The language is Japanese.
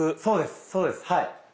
そうですそうですはい。